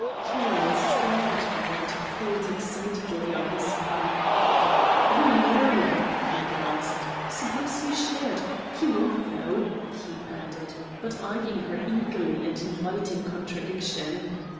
Carroll stared at her and pulled excitedly on his pipe. "Oh, Marion!" he gasped, "suppose he should? He won't though," he added, but eying her eagerly and inviting contradiction.